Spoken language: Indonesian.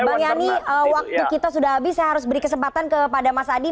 bang yani waktu kita sudah habis saya harus beri kesempatan kepada mas adi